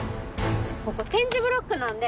ここ点字ブロックなんで。